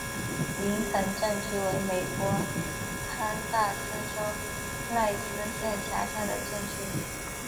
林肯镇区为美国堪萨斯州赖斯县辖下的镇区。